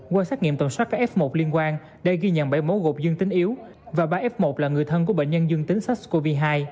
qua xét nghiệm tổng soát các f một liên quan đây ghi nhận bảy mối gột dương tính yếu và ba f một là người thân của bệnh nhân dương tính sars cov hai